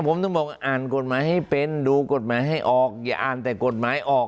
ผมต้องบอกอ่านกฎหมายให้เป็นดูกฎหมายให้ออกอย่าอ่านแต่กฎหมายออก